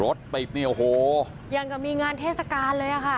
รถติดเนี่ยโอ้โหยังกับมีงานเทศกาลเลยอ่ะค่ะ